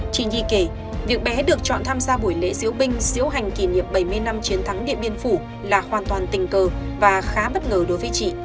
chỉ nhi kể việc bé được chọn tham gia buổi lễ diễu binh diễu hành kỷ niệm bảy mươi năm chiến thắng điện biên phủ là hoàn toàn tình cờ và khá bất ngờ đối với chị